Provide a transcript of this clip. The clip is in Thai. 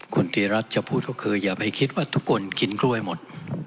คุณติรัฐจะพูดก็คืออย่าไปคิดว่าทุกคนกินกล้วยหมด